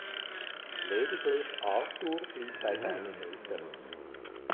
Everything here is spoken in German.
Lediglich Arthur blieb bei seinen Eltern.